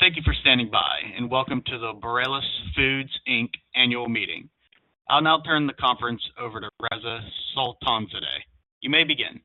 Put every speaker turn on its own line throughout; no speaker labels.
Thank you for standing by, and welcome to the Borealis Foods Inc. annual meeting. I'll now turn the conference over to Reza Soltanzadeh. You may begin.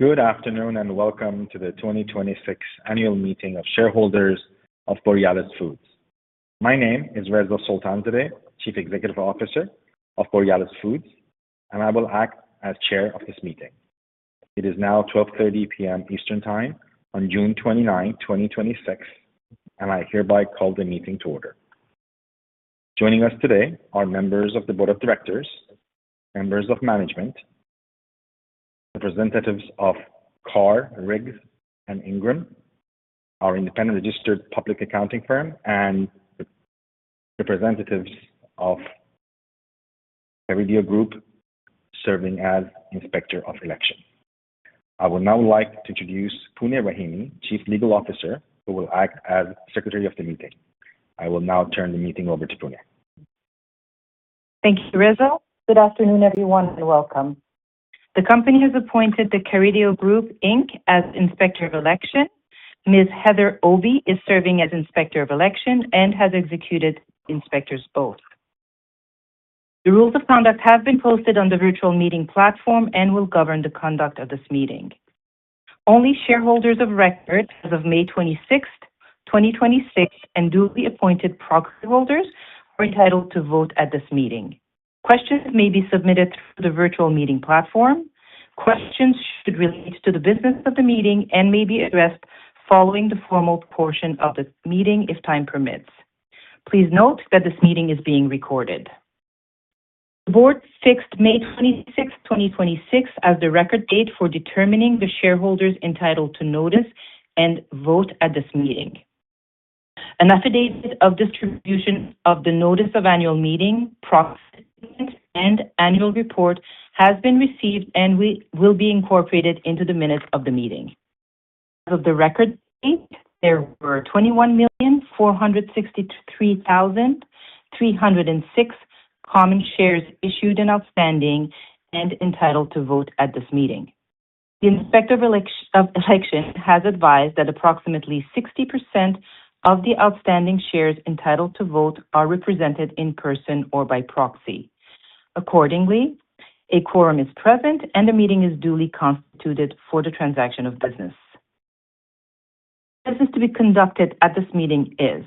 Good afternoon, and welcome to the 2026 annual meeting of shareholders of Borealis Foods. My name is Reza Soltanzadeh, Chief Executive Officer of Borealis Foods, and I will act as chair of this meeting. It is now 12:30 P.M. Eastern Time on June 29, 2026, and I hereby call the meeting to order. Joining us today are members of the board of directors, members of management, representatives of Carr, Riggs & Ingram, our independent registered public accounting firm, and representatives of The Carideo Group, serving as Inspector of Election. I would now like to introduce Pouneh Rahimi, Chief Legal Officer, who will act as Secretary of the meeting. I will now turn the meeting over to Pouneh.
Thank you, Reza. Good afternoon, everyone, and welcome. The company has appointed The Carideo Group, Inc. as Inspector of Election. Ms. Heather Obi is serving as Inspector of Election and has executed Inspector's oath. The rules of conduct have been posted on the virtual meeting platform and will govern the conduct of this meeting. Only shareholders of record as of May 26th, 2026, and duly appointed proxy holders are entitled to vote at this meeting. Questions may be submitted through the virtual meeting platform. Questions should relate to the business of the meeting and may be addressed following the formal portion of this meeting, if time permits. Please note that this meeting is being recorded. The board fixed May 26th, 2026, as the record date for determining the shareholders entitled to notice and vote at this meeting. An affidavit of distribution of the notice of annual meeting, proxy statement, and annual report has been received and will be incorporated into the minutes of the meeting. As of the record date, there were 21,463,306 common shares issued and outstanding and entitled to vote at this meeting. The Inspector of Election has advised that approximately 60% of the outstanding shares entitled to vote are represented in person or by proxy. Accordingly, a quorum is present, and a meeting is duly constituted for the transaction of business. Business to be conducted at this meeting is,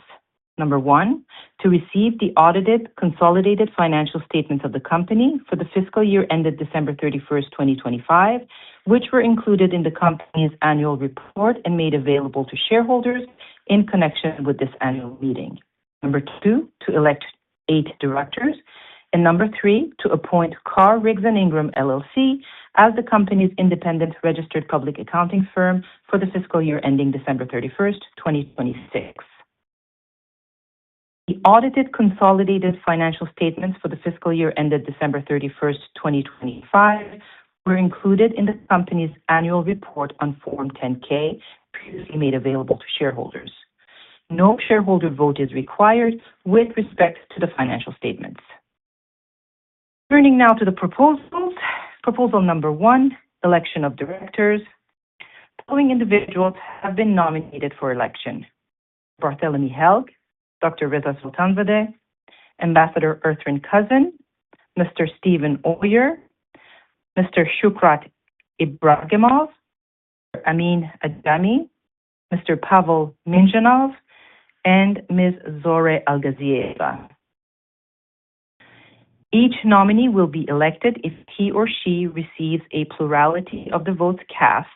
Number 1, to receive the audited consolidated financial statements of the company for the fiscal year ended December 31st, 2025, which were included in the company's annual report and made available to shareholders in connection with this annual meeting. Number 2, to elect eight directors. Number three, to appoint Carr, Riggs & Ingram, LLC as the company's independent registered public accounting firm for the fiscal year ending December 31, 2026. The audited consolidated financial statements for the fiscal year ended December 31, 2025, were included in the company's annual report on Form 10-K, previously made available to shareholders. No shareholder vote is required with respect to the financial statements. Turning now to the proposals. Proposal number one, election of directors. The following individuals have been nominated for election. Barthelemy Helg, Dr. Reza Soltanzadeh, Ambassador Ertharin Cousin, Mr. Steven Oyer, Mr. Shukhrat Ibragimov, Mr. Amin Ajami, Mr. Pavel Minzhanov, and Ms. Zoreh Alghezi. Each nominee will be elected if he or she receives a plurality of the votes cast.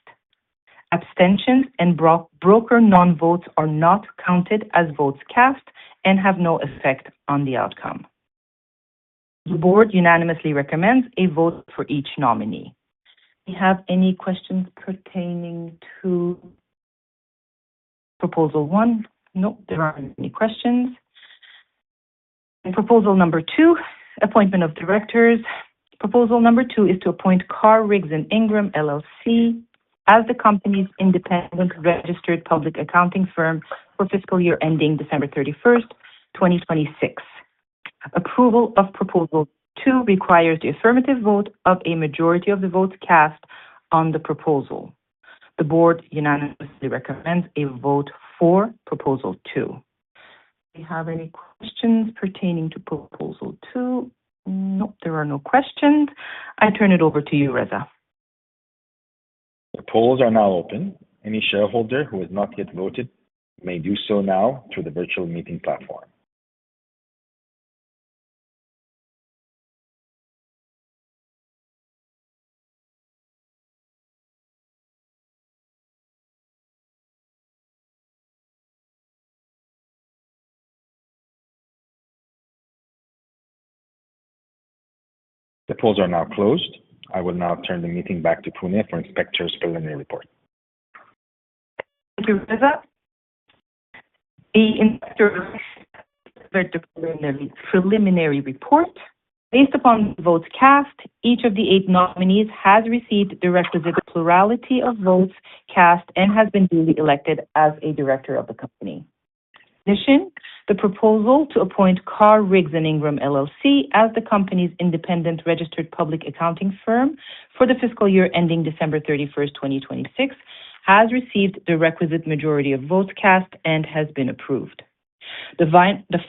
Abstentions and broker non-votes are not counted as votes cast and have no effect on the outcome. The board unanimously recommends a vote for each nominee. Do we have any questions pertaining to proposal one? Nope, there aren't any questions. Proposal number two, appointment of directors. Proposal number two is to appoint Carr, Riggs & Ingram, LLC as the company's independent registered public accounting firm for fiscal year ending December 31, 2026. Approval of proposal two requires the affirmative vote of a majority of the votes cast on the proposal. The board unanimously recommends a vote for proposal two. Do we have any questions pertaining to proposal two? Nope, there are no questions. I turn it over to you, Reza.
The polls are now open. Any shareholder who has not yet voted may do so now through the virtual meeting platform. The polls are now closed. I will now turn the meeting back to Pouneh for Inspector's preliminary report.
Thank you, Reza. The Inspector will read the preliminary report. Based upon votes cast, each of the eight nominees has received the requisite plurality of votes cast and has been duly elected as a director of the company. In addition, the proposal to appoint Carr, Riggs & Ingram, LLC as the company's independent registered public accounting firm for the fiscal year ending December 31, 2026, has received the requisite majority of votes cast and has been approved. The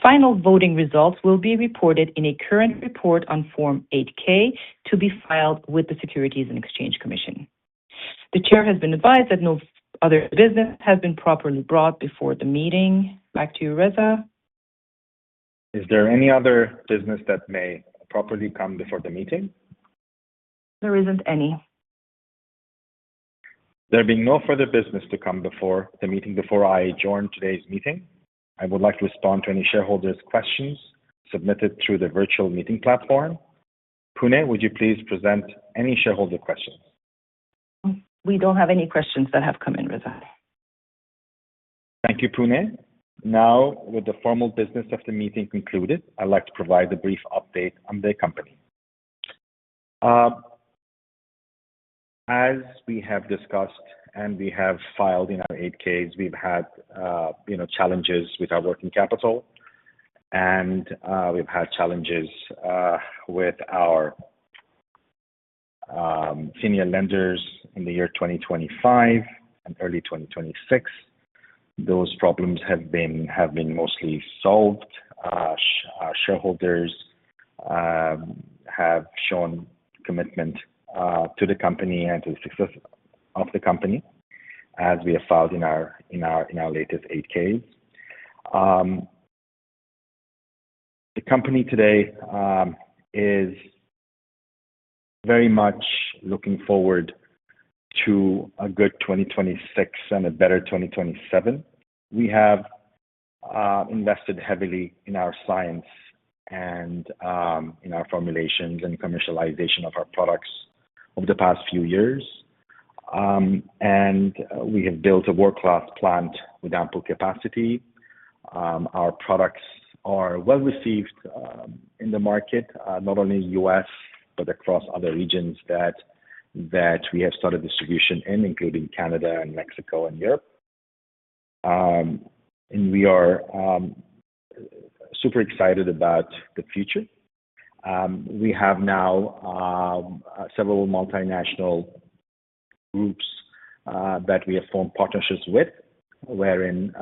final voting results will be reported in a current report on Form 8-K to be filed with the Securities and Exchange Commission. The chair has been advised that no other business has been properly brought before the meeting. Back to you, Reza.
Is there any other business that may properly come before the meeting?
There isn't any.
There being no further business to come before the meeting, before I adjourn today's meeting, I would like to respond to any shareholders' questions submitted through the virtual meeting platform. Pouneh, would you please present any shareholder questions?
We don't have any questions that have come in, Reza.
Thank you, Pouneh. With the formal business of the meeting concluded, I'd like to provide a brief update on the company. As we have discussed and we have filed in our 8-Ks, we've had challenges with our working capital, and we've had challenges with our senior lenders in the year 2025 and early 2026. Those problems have been mostly solved. Our shareholders have shown commitment to the company and to the success of the company, as we have filed in our latest 8-K. The company today is very much looking forward to a good 2026 and a better 2027. We have invested heavily in our science and in our formulations and commercialization of our products over the past few years. We have built a world-class plant with ample capacity. Our products are well received in the market, not only U.S., but across other regions that we have started distribution in, including Canada and Mexico and Europe. We are super excited about the future. We have now several multinational groups that we have formed partnerships with, wherein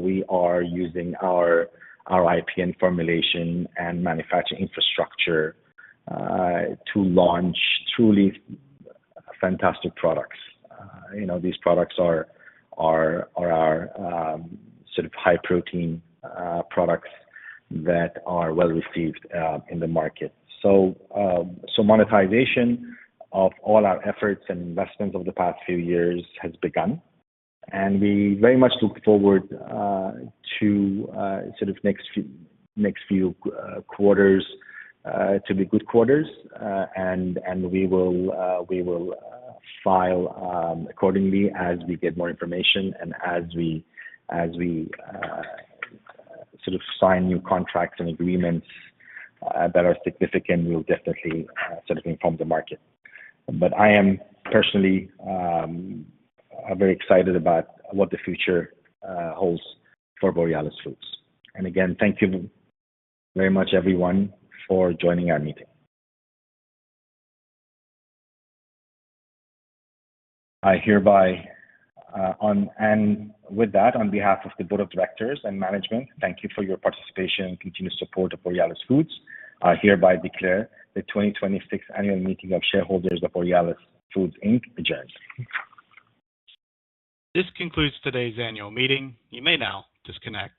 we are using our IP and formulation and manufacturing infrastructure to launch truly fantastic products. These products are our sort of high-protein products that are well received in the market. Monetization of all our efforts and investments over the past few years has begun, and we very much look forward to the next few quarters to be good quarters. We will file accordingly as we get more information and as we sign new contracts and agreements that are significant, we'll definitely inform the market. I am personally very excited about what the future holds for Borealis Foods. Again, thank you very much, everyone, for joining our meeting. With that, on behalf of the board of directors and management, thank you for your participation and continued support of Borealis Foods. I hereby declare the 2026 annual meeting of shareholders of Borealis Foods Inc. adjourned.
This concludes today's annual meeting. You may now disconnect.